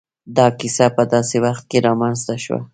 دا کيسه په داسې وخت کې را منځ ته شوه.